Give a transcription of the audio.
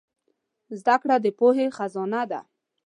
زدهکړه د پوهې خزانه ده.